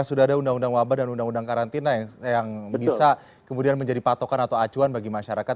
sudah ada undang undang wabah dan undang undang karantina yang bisa kemudian menjadi patokan atau acuan bagi masyarakat